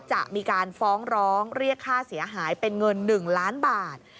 จะมีการฟ้องร้องเรียกค่าเสียหายเป็นเงิน๑ล้านบาท